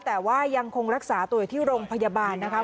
แต่ว่ายังคงรักษาตัวอยู่ที่โรงพยาบาลนะคะ